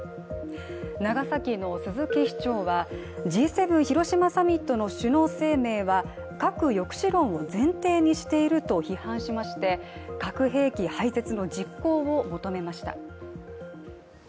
長崎の鈴木市長はＧ７広島サミットの首脳声明は核抑止論を前提にしていると批判しまして核兵器廃絶の実行を求めました。